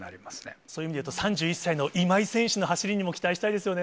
そういう意味でいうと、３１歳の今井選手の走りにも期待したいですよね。